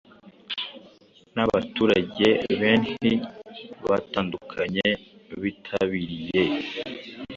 nabaturage benhi batandukanye bitabiriye